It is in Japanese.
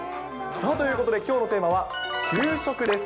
ということで、きょうのテーマは給食です。